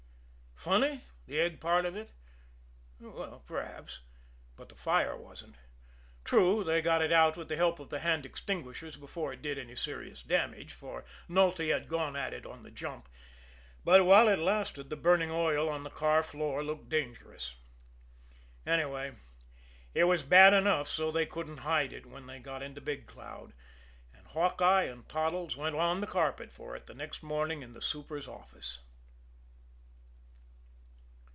Funny, the egg part of it? Well, perhaps. But the fire wasn't. True, they got it out with the help of the hand extinguishers before it did any serious damage, for Nulty had gone at it on the jump; but while it lasted the burning oil on the car floor looked dangerous. Anyway, it was bad enough so that they couldn't hide it when they got into Big Cloud and Hawkeye and Toddles went on the carpet for it the next morning in the super's office.